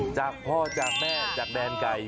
จากพ่อจากแม่จากแดนไก่